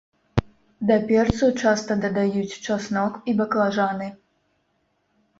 Да перцу часта дадаюць часнок і баклажаны.